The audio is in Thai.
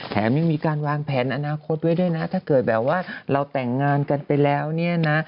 แถมยังมีการวางแผนอนาคตไว้ด้วยนะถ้าเกิดแบบว่าเราแต่งงานกันไปแล้วเนี่ยนะ